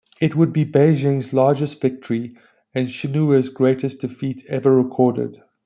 It would be Beijing's largest victory and Shenhua's greatest defeat ever recorded.